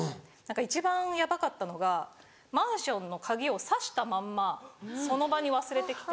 一番ヤバかったのがマンションの鍵を差したまんまその場に忘れてきて。